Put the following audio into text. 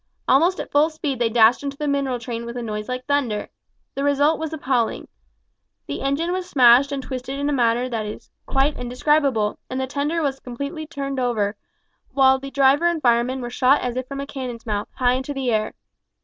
Almost at full speed they dashed into the mineral train with a noise like thunder. The result was appalling. The engine was smashed and twisted in a manner that is quite indescribable, and the tender was turned completely over, while the driver and fireman were shot as if from a cannon's mouth, high into the air.